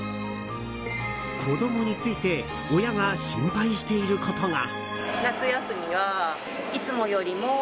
子供について親が心配していることが。